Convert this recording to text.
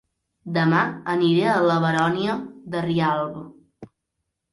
Dema aniré a La Baronia de Rialb